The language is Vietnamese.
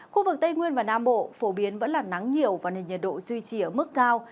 khu vực tây nguyên và nam bộ phổ biến vẫn là nắng nhiều và nền nhiệt độ duy trì ở mức cao